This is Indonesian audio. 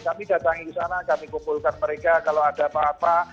kami datang ke sana kami kumpulkan mereka kalau ada apa apa